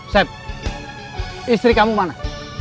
seth istri kamu mana